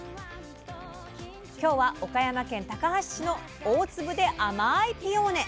今日は岡山県高梁市の大粒で甘いピオーネ。